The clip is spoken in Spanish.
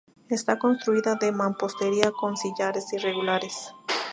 Está construida de mampostería con sillares irregulares.